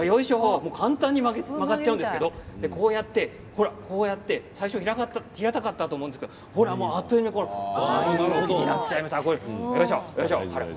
簡単に曲がっちゃうんですけどこうやって平たかったと思うんですがあっという間にワイン置きになっちゃいます。